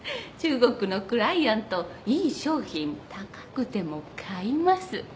中国のクライアントいい商品高くても買います。